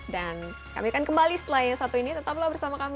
dan kami akan kembali setelah yang satu ini tetaplah bersama kami